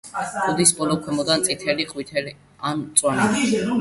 კუდის ბოლო ქვემოდან წითელი, ყვითელი ან მწვანეა.